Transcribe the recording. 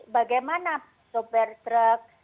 bagaimana sopir truk